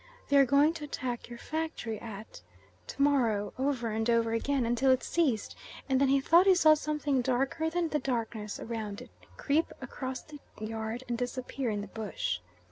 They are going to attack your factory at ... to morrow," over and over again, until it ceased; and then he thought he saw something darker than the darkness round it creep across the yard and disappear in the bush.